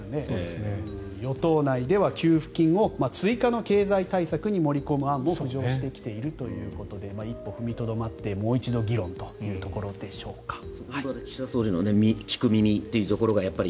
与党内では給付金を追加の経済対策に盛り込む案も浮上してきているということで一歩踏みとどまって、もう一度議論というところでしょうか。